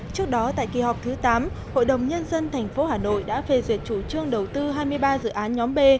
trước đó tại kỳ họp thứ tám hội đồng nhân dân tp hà nội đã phê duyệt chủ trương đầu tư hai mươi ba dự án nhóm b